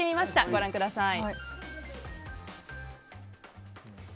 ご覧ください。